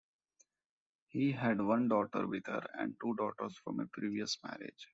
He had one daughter with her and two daughters from a previous marriage.